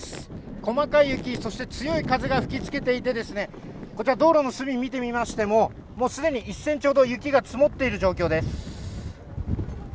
細かい雪、そして強い風が吹きつけていて、こちら、道路の隅、見てみましても、もうすでに１センチほど雪が積もっている状況です。